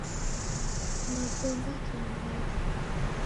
Wagonga kiambazi.